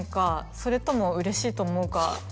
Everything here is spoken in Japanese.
それともうれしいと思うか？